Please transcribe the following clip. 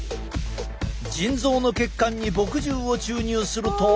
腎臓の血管に墨汁を注入すると。